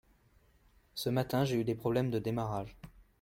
Ce matin, j’ai eu un problème de démarrage.